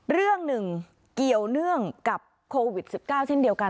เรื่องหนึ่งเกี่ยวเนื่องกับโควิด๑๙เช่นเดียวกัน